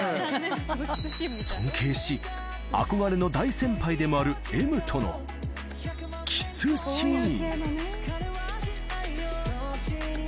尊敬し、憧れの大先輩でもあるＭとのキスシーン。